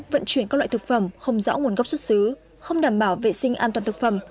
vận chuyển các loại thực phẩm không rõ nguồn gốc xuất xứ không đảm bảo vệ sinh an toàn thực phẩm